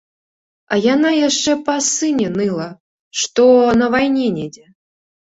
А яна яшчэ па сыне ныла, што на вайне недзе.